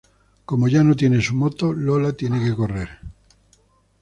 Como ya no tiene su moto, Lola tiene que correr.